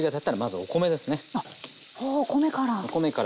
お米から。